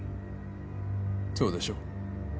そうでしょ？